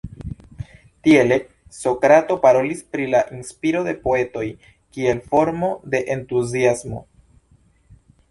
Tiele Sokrato parolis pri la inspiro de poetoj kiel formo de Entuziasmo.